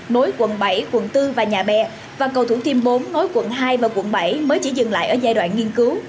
nối quận bảy quận bốn và nhà bè và cầu thủ thiêm bốn nối quận hai và quận bảy mới chỉ dừng lại ở giai đoạn nghiên cứu